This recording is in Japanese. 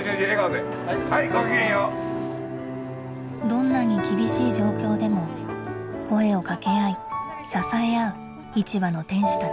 どんなに厳しい状況でも声をかけ合い支え合う市場の店主たち。